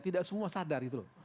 tidak semua sadar itu